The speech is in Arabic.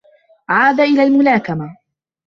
عاد إلى الملاكمة.